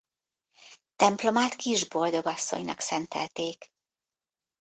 Templomát Kisboldogasszonynak szentelték.